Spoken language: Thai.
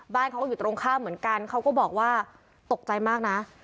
บ้านเขาก็อยู่ตรงข้ามเหมือนกันเขาก็บอกว่าตกใจมากนะ